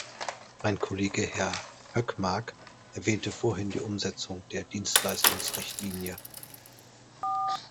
Mein Kollege Herr Hökmark erwähnte vorhin die Umsetzung der Dienstleistungsrichtlinie.